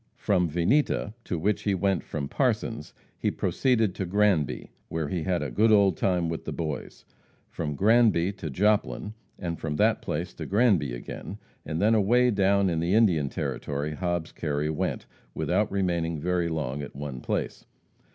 From Vinita, to which he went from Parsons, he proceeded to Granby, where he had "a good time with the boys." From Granby to Joplin, and from that place to Granby again, and then away down in the Indian Territory Hobbs Kerry went, without remaining very long at one place.